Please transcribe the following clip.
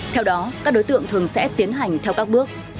theo đó các đối tượng thường sẽ tiến hành theo các bước